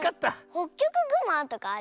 ホッキョクグマとかあるよね。